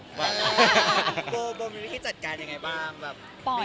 บวลมีแบบที่จัดการยังไงบ้าง